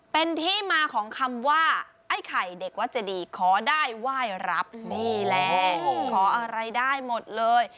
เป็นที่มาของคำว่าไอ้ไข่เด็กวัดเจดีขอได้ไหว้รับนี่แหละขออะไรได้หมดเลย